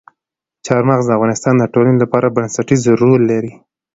چار مغز د افغانستان د ټولنې لپاره بنسټيز رول لري.